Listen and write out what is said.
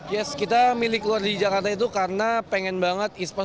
yes kita milik luar di jakarta itu karena pengen banget e sports